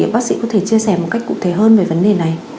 bác sĩ có thể chia sẻ một cách cụ thể hơn về vấn đề này